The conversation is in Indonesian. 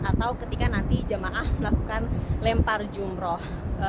atau ketika nanti jemaah melakukan lempar jumroh